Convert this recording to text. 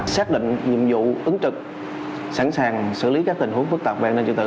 xác định nhiệm vụ ứng trực sẵn sàng xử lý các tình huống phức tạp về an ninh trật tự